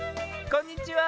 こんにちは。